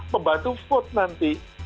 membantu vote nanti